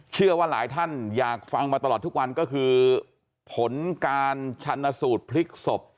เชื่อว่าหลายท่านอยากฟังมาตลอดทุกวันก็คือผลการชันสูตรพลิกศพ